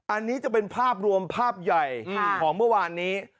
อันนี้จะเป็นภาพรวมภาพใหญ่ของเมื่อวานนี้